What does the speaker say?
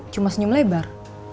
cuma senyum lebar